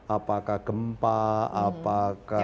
apakah gempa apakah